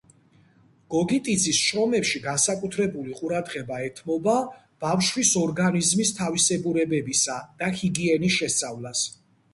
გოგიტიძის შრომებში განსაკუთრებული ყურადღება ეთმობა ბავშვის ორგანიზმის თავისებურებებისა და ჰიგიენის შესწავლას.